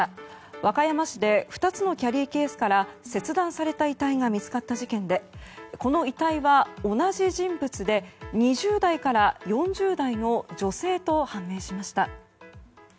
和歌山市で２つのキャリーケースから切断された遺体が見つかった事件でこの遺体は同じ人物で２０代から４０代の女性と判明しました。